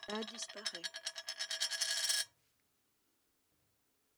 La disparaît.